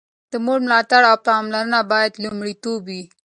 د مور ملاتړ او پاملرنه باید لومړیتوب وي.